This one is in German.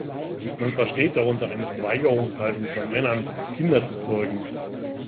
Man versteht darunter eine Verweigerungshaltung von Männern, Kinder zu zeugen.